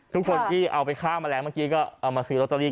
ทุกคนที่เอาไปฆ่าแมลงเมื่อกี้ก็เอามาซื้อลอตเตอรี่